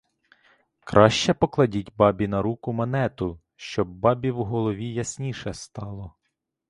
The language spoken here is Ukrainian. Краще покладіть бабі на руку монету, щоб бабі в голові ясніше стало.